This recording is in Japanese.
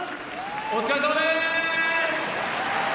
お疲れさまです！